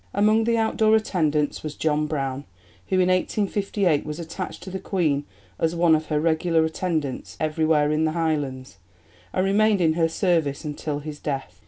Among the outdoor attendants was John Brown, who in 1858 was attached to the Queen as one of her regular attendants everywhere in the Highlands, and remained in her service until his death.